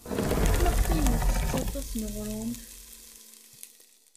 Maɣef ay yettett aṭas n uɣrum?